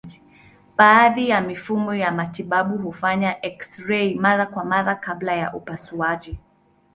Baadhi ya mifumo ya matibabu hufanya eksirei mara kwa mara kabla ya upasuaji.